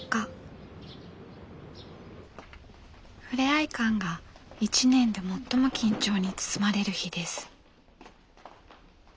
ふれあい館が一年で最も緊張に包まれる日です。